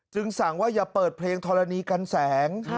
สั่งว่าอย่าเปิดเพลงธรณีกันแสง